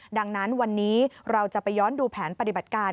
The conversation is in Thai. ดังนั้นวันนี้เราจะไปย้อนดูแผนปฏิบัติการ